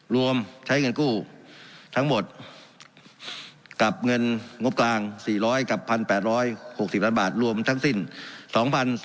รวมใช้เงินกู้ทั้งหมดกับเงินงบกลาง๔๐๐กับ๑๘๖๐ล้านบาทรวมทั้งสิ้น